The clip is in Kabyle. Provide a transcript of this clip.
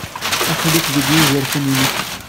Aql-ik deg yizerfan-nnek.